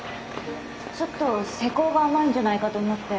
ちょっと施工が甘いんじゃないかと思って。